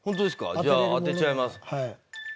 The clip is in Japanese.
じゃあ当てちゃいます。